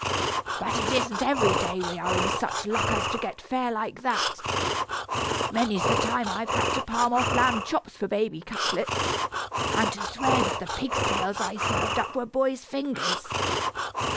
But it isn't every day we are in such luck as to get fare like that. Many's the time I've had to palm off lamb chops for baby cutlets, and to swear that the pig's tails I served up were boy's fingers.